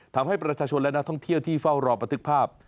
ทำให้ประชาชนและนักท่องเที่ยวที่เฝ้ารอประทึกภาพ